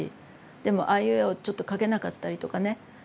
でも「あいうえお」ちょっと書けなかったりとかね